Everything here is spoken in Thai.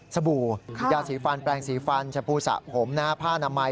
บู่ยาสีฟันแปลงสีฟันชมพูสะผมผ้านามัย